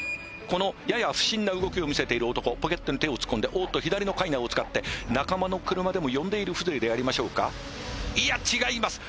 このやや不審な動きを見せている男ポケットに手を突っ込んでおっと左のかいなを使って仲間の車でも呼んでいる風情でありましょうかいや違います